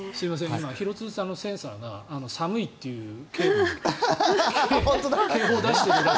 今、廣津留さんのセンサーが寒いっていう警報を出して。